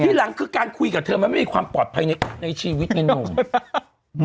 ทีหลังคือการคุยกับเธอมันไม่มีความปลอดภัยในชีวิตไงหนุ่ม